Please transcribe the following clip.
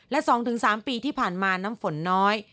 และ๒๓ปีที่ผ่านมาน้ำฝนน้อย